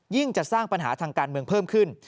จะสร้างปัญหาทางการเมืองเพิ่มขึ้น